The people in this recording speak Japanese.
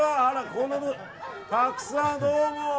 たくさんどうも。